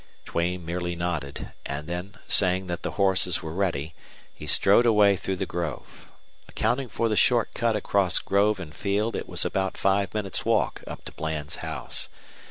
Duane merely nodded, and then, saying that the horses were ready, he strode away through the grove. Accounting for the short cut across grove and field, it was about five minutes' walk up to Bland's house.